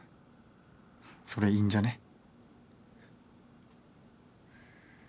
それいいんじゃね。